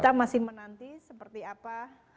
kita masih menanti seperti apa